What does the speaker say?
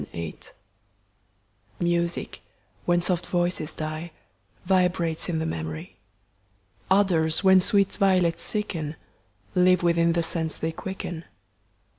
SHAKESPE TO Mrsir, when soft voices die, Vibrates in the memory, — OdorS, Wild! sweet Violets sicl Live within the sense they quicken.